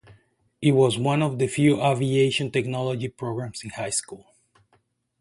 It was one of the few aviation technology programs in a high school.